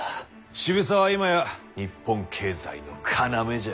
渋沢は今や日本経済の要じゃ。